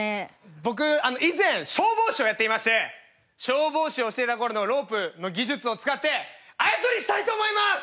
僕以前消防士をやっていまして消防士をしていた頃のロープの技術を使ってあやとりしたいと思います！